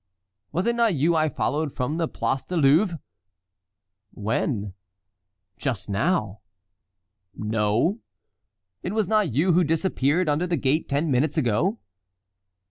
"Was it not you I followed from the Place du Louvre?" "When?" "Just now." "No." "It was not you who disappeared under the gate ten minutes ago?"